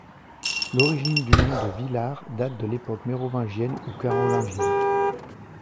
L'origine du nom de Villars date de l'époque mérovingienne ou carolingienne.